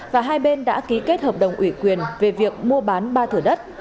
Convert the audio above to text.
và hai bên đã ký kết hợp đồng ủy quyền về việc mua bán ba thửa đất